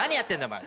お前。